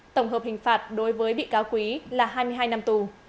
tổng hợp hình phạt đối với bị cáo quý là hai mươi hai năm tù